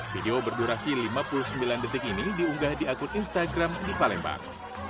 video berdurasi lima puluh sembilan detik ini diunggah di akun instagram di palembang